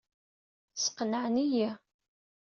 Sqenɛen-iyi.